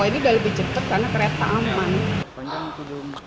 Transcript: kalau ini udah lebih cepet karena kereta aman